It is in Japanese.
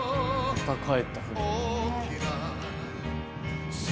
また帰った船に。